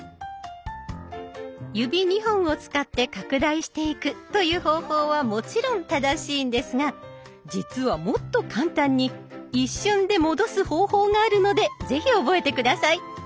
指２本を使って拡大していくという方法はもちろん正しいんですが実はもっと簡単に一瞬で戻す方法があるので是非覚えて下さい。